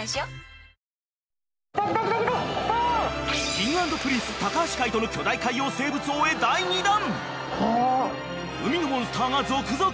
Ｋｉｎｇ＆Ｐｒｉｎｃｅ高橋海人の巨大海洋生物を追え海のモンスターが続々。